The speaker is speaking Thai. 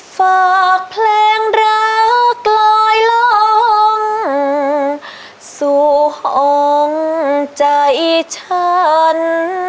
ฝากเพลงรักกลอยลมสู่ห้องใจฉัน